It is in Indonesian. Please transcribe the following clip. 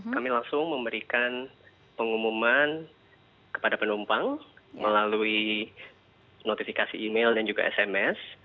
kami langsung memberikan pengumuman kepada penumpang melalui notifikasi email dan juga sms